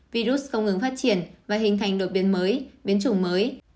virus không ngừng phát triển và hình thành đột biến mới biến chủng mới